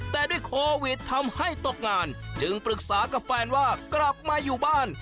แต่ด้วยโควิดทำให้ตกงานจึงปรึกษากับแฟนว่ากลับมาอยู่บ้าน